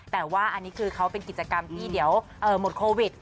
แต่ว่าอันนี้คือเขาเป็นกิจกรรมที่เดี๋ยวหมดโควิด